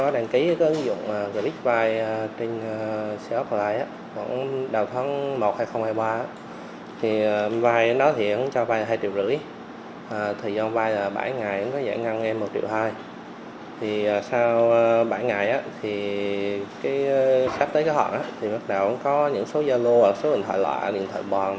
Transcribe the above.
sau bảy ngày thì sắp tới kế hoạch thì bắt đầu có những số gia lô số điện thoại loại điện thoại bòn